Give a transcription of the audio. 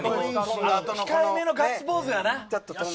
控えめのガッツポーズが。